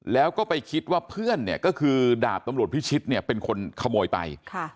แล้วก็ไปคิดว่าเพื่อนเนี่ยก็คือดาบตำรวจพิชิตเนี่ยเป็นคนขโมยไป